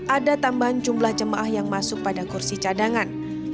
ada tambahan jumlah jemaah yang masuk pada kursi cadangan